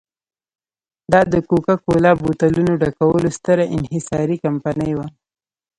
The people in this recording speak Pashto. دا د کوکا کولا بوتلونو ډکولو ستره انحصاري کمپنۍ وه.